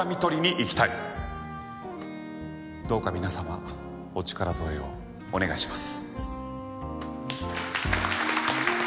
どうか皆様お力添えをお願いします。